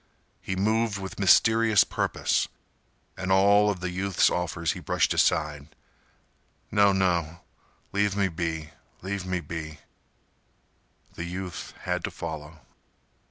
He moved with mysterious purpose, and all of the youth's offers he brushed aside. "No—no—leave me be—leave me be—" The youth had to follow.